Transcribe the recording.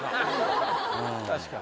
確かに。